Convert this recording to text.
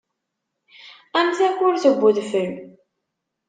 Am takurt n udfel.